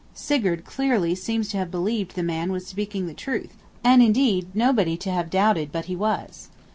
Sigurd clearly seems to have believed the man to be speaking truth; and indeed nobody to have doubted but he was.